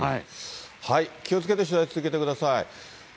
気をつけて取材を続けてください。